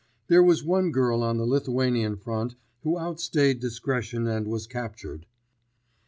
There was one girl on the Lithuanian Front who outstayed discretion and was captured.